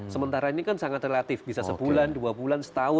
sementara ini kan sangat relatif bisa sebulan dua bulan setahun